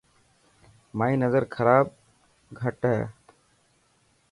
مائي نظر خراب گھٽ هي.